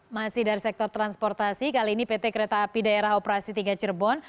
masih dari sektor transportasi kali ini pt kereta api daerah operasi tiga cirebon